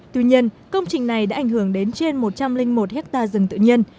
tuy nhiên công trình này đã ảnh hưởng đến trên một trăm linh một hectare rừng tự nhiên